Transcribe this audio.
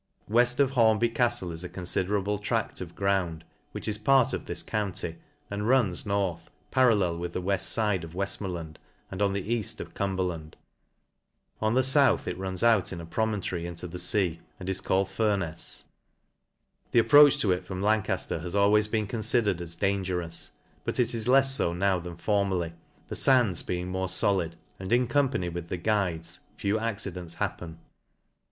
Weft of Hornby Caftle is a confrderable tracVof ground, which is part of this county, and runs north, parallel with the weft iide of Weflmorland^ and on the eaft of Cumberland ; on the fouth, it runs out in a promontory into the fea, and is called Fur* wefs, " The approach to it from Lancafler has always beeit considered as dangerous, but it is lefs fo now than formerly, the fands being more folid ; and in com pany with the guides, few accidents happen.